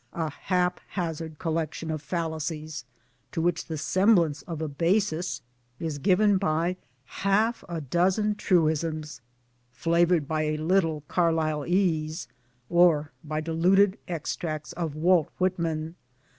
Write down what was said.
A haphazard collection of fallacies, to which the semblance of a basis is given by half a dozen truisms, flavored by a little Carlylese, or by diluted extracts of Walt Whitman